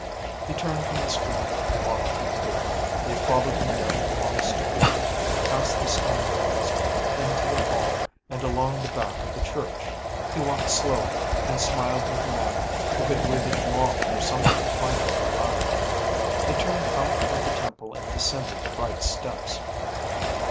He turned from the screen and walked through the door. They followed him down the long stairway, past the stone walls, into the hall, and along the back of the church. He walked slowly, and smiled like a man who had waited long for something finally arrived. They turned out of the temple and descended the bright steps.